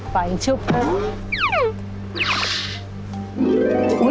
ป่ายยิ่งจูบกัน